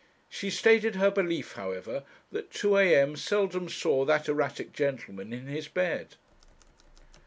She stated her belief, however, that two a.m. seldom saw that erratic gentleman in his bed.